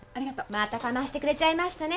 またかましてくれちゃいましたね。